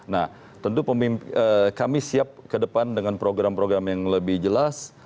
nah tentu kami siap ke depan dengan program program yang lebih jelas